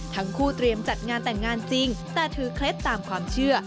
ทั้งคู่เตรียมจัดงานแต่งงานจริงแต่ถือเคล็ดตามความเชื่อ